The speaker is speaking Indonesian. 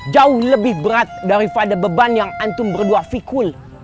jauh lebih berat daripada beban yang ustadz berdua fikir